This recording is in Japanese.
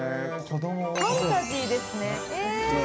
ファンタジーですね。